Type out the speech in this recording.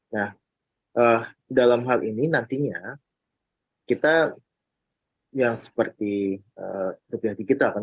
nah dalam hal ini nantinya kita yang seperti rupiah digital kan